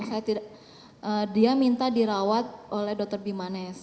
saya tidak dia minta dirawat oleh dr bimanes